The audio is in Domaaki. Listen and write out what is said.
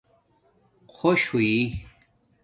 خݸش ہݸئ